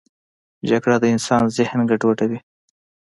جګړه د انسان ذهن ګډوډوي